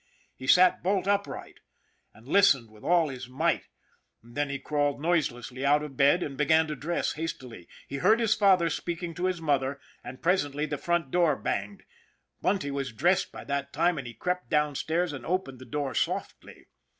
He sat bolt upright, and listened with all his might; then he crawled noiselessly out of bed, and began to dress hastily. He heard his father speaking to his mother, and presently the front door banged. Bunty was dressed by that time and he crept down stairs and opened the door softly.